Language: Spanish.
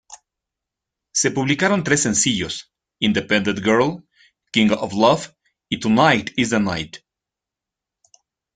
Se publicaron tres sencillos: Independent Girl, King Of Love y Tonight Is The Night.